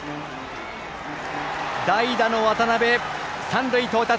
代打の渡邊、三塁到達。